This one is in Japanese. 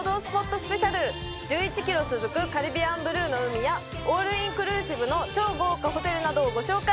スペシャル１１キロ続くカリビアンブルーの海やオールインクルーシブの超豪華ホテルなどをご紹介